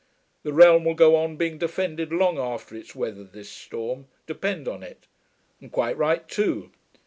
The realm will go on being defended long after it's weathered this storm, depend on it. And quite right too.